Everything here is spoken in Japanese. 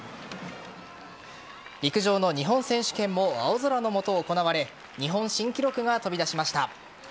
陸上の日本選手権も青空の下行われ日本新記録が飛び出しました。